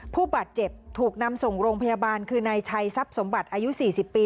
ผู้บาดเจ็บถูกนำส่งโรงพยาบาลคือนายชัยทรัพย์สมบัติอายุ๔๐ปี